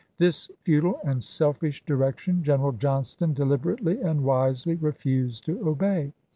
This futile and selfish direction Gen eral Johnston deliberately and wisely refused to obey.